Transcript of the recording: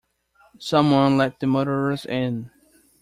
Some one let the murderers in.